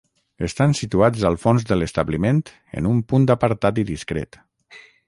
Estan situats al fons de l'establiment en un punt apartat i discret.